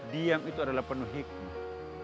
diam itu adalah penuh hikmah